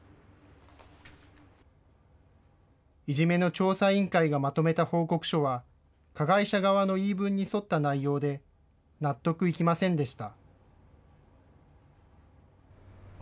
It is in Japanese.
いじめの調査委員会がまとめた報告書は、加害者側の言い分に沿った内容で納得いきませんでした。